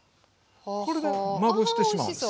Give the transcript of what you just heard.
これでまぶしてしまうんですよ。